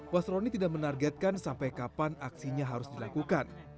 wasroni tidak menargetkan sampai kapan aksinya harus dilakukan